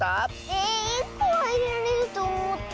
え１こはいれられるとおもった。